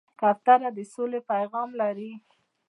کوتره د سولې پیغام لري.